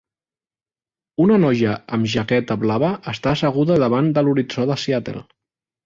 Una noia amb jaqueta blava està asseguda davant de l'horitzó de Seattle.